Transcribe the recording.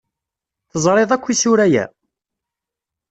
Teẓriḍ akk isura-ya?